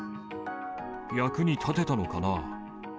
役に立てたのかなぁ？